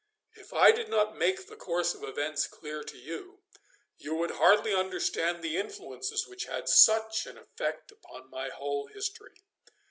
If I did not make the course of events clear to you, you would hardly understand the influences which had such an effect upon my whole history.